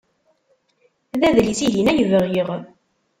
D adlis-ihin ay bɣiɣ.